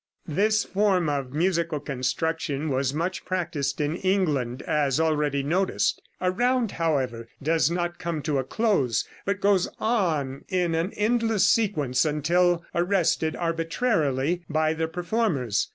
This form of musical construction was much practiced in England, as already noticed. A round, however, does not come to a close, but goes on in an endless sequence until arrested arbitrarily by the performers.